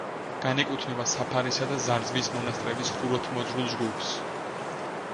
განეკუთვნება საფარისა და ზარზმის მონასტრების ხუროთმოძღვრულ ჯგუფს.